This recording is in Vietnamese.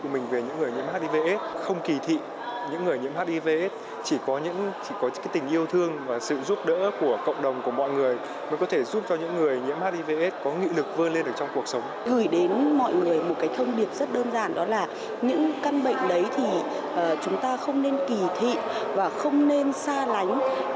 một cái thông điệp rất đơn giản đó là những căn bệnh đấy thì chúng ta không nên kỳ thị và không nên xa lánh